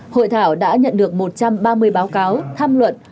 hội thảo đã nhận được một trăm ba mươi báo cáo tham luận